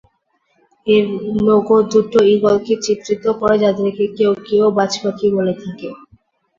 এর লোগো দুটো ঈগলকে চিত্রিত করে, যাদেরকে কেউ কেউ বাজপাখি বলে থাকে।